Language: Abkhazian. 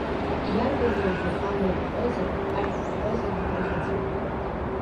Иарбан еиӷьу амра ԥхозар, ашәа бҳәозар бгәырӷьаҵәа!